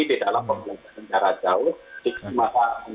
di masa ini anak anak indonesia yang kemana mana berada di terang terang